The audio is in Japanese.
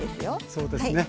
そうですね。